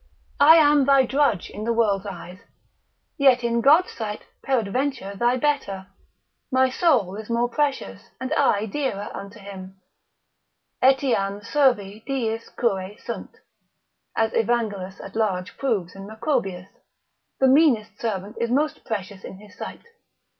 I am thy drudge in the world's eyes, yet in God's sight peradventure thy better, my soul is more precious, and I dearer unto him. Etiam servi diis curae sunt, as Evangelus at large proves in Macrobius, the meanest servant is most precious in his sight.